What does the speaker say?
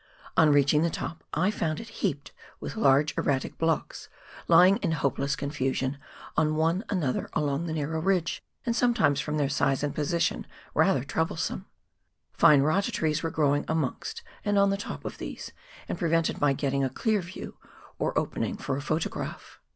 On reaching the top I found /■f ?T ^ COOK RIVER FOX GLACIER. 101 it heaped with large erratic blocks, lying in hopeless confusion on one another along the narrow ridge, and sometimes from their size and position rather troublesome. Fine rata trees were growing amongst and on the top of these, and prevented my getting a clear view, or opening, for a photograph.